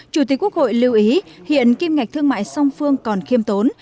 chủ tịch quốc hội lưu ý hiện kim ngạch thương mại song phương còn khiêm tốn